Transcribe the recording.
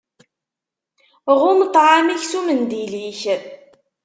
Ɣumm ṭṭɛam-ik s umendil-ik!